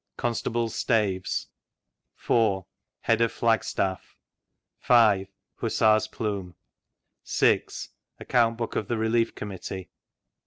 Constables' Staves. 4. Head of Ftagstafi. 5. Hussar's Flume. 6. Account Book of tbe Relief Committee.